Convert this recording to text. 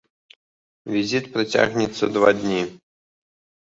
Візіт працягнецца два дні.